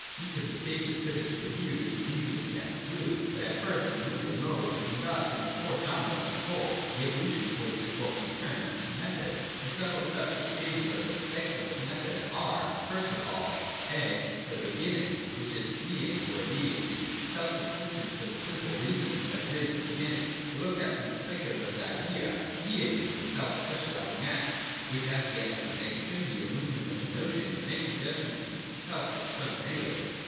Each of the stages hitherto reviewed is an image of the absolute, but at first in a limited mode, and thus it is forced onwards to the whole, the evolution of which is what we termed Method. 238.] The several steps or stages of the Speculative Method are, first of all, (a) the Beginning, which is 376 THE DOCTRINE OF THE NOTION. [33S. Being or Immediacy: self subsistent, for the simple reason that it is the beginning. But looked at from the speculative idea, Being is its self specialising act, which as the absolute negativity or movement of the notion makes a judgment and puts itself as its own negative.